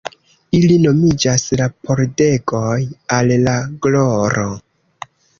Ili nomiĝas la Pordegoj al la Gloro.